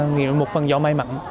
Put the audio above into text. nghĩ là một phần gió may mắn